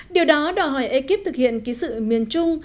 điều đó đòi hỏi ekip thực hiện ký sự miền trung